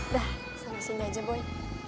dah sama sini aja boy